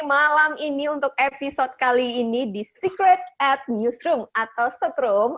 malam ini untuk episode kali ini di secret at newsroom atau setrum